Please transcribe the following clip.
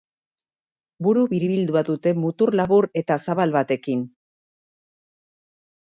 Buru biribildua dute mutur labur eta zabal batekin.